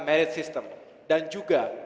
merit system dan juga